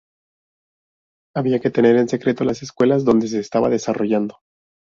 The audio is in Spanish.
Había que tener en secreto las escuelas donde se estaba desarrollando.